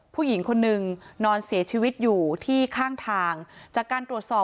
ผู้หญิงคนนึงนอนเสียชีวิตอยู่ที่ข้างทางจากการตรวจสอบ